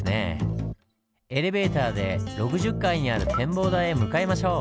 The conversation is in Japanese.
エレベーターで６０階にある展望台へ向かいましょう。